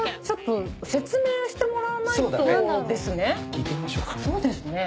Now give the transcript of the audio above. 聞いてみましょうか。